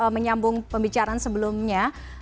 menyambung pembicaraan sebelumnya